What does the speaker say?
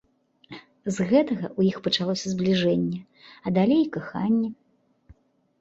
З гэтага ў іх пачалося збліжэнне, а далей і каханне.